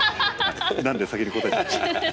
なんで先に答えておきました。